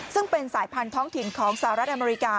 ซึ่งเป็นสายพันธ้องถิ่นของสหรัฐอเมริกา